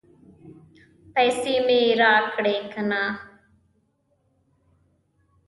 پیسې مې راکړې که نه؟